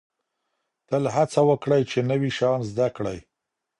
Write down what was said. تل هڅه وکړئ چي نوي شیان زده کړئ.